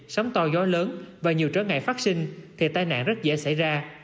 sóng to gió lớn và nhiều trở ngại phát sinh thì tai nạn rất dễ xảy ra